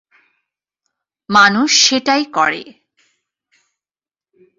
মানুষ সেটাই করে।